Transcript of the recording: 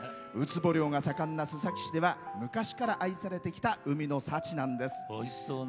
ウツボ漁が盛んな須崎市では昔から愛されてきた海の幸なんです。